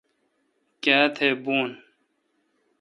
کیا تہ بون،،؟